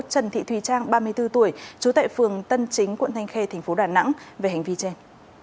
trần thị thùy trang ba mươi bốn tuổi trú tại phường tân chính quận thanh khê tp đà nẵng về hành vi trên